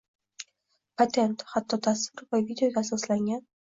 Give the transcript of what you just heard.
Patent hatto tasvir va videoga asoslangan